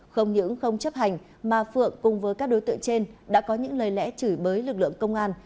không những không chấp hành mà phượng cùng với các đối tượng trên đã có những lời lẽ chửi bới lực lượng công an